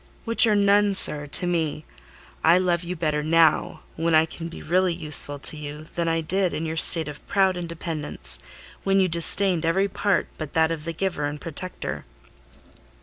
"Which are none, sir, to me. I love you better now, when I can really be useful to you, than I did in your state of proud independence, when you disdained every part but that of the giver and protector."